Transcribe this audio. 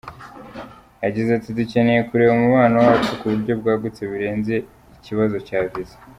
Yagize ati “Dukeneye kureba umubano wacu mu buryo bwagutse birenze ikibazo cya Viza.